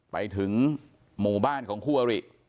ไปถึงหมู่บ้านของคู่อริ